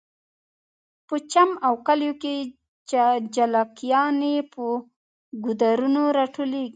په چم او کلیو کې جلکیانې په ګودرونو راټولیږي